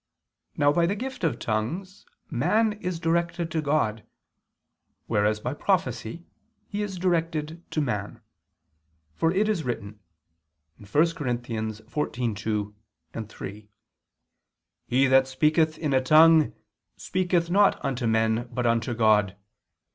Now, by the gift of tongues, man is directed to God, whereas by prophecy he is directed to man; for it is written (1 Cor. 14:2, 3): "He that speaketh in a tongue, speaketh not unto men, but unto God